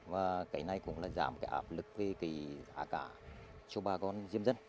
và cái này cũng là giảm cái áp lực về cái giá cả cho bà con diêm dân